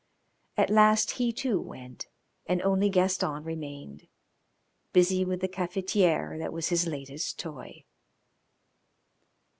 At last he, too, went, and only Gaston remained, busy with the cafetiere that was his latest toy.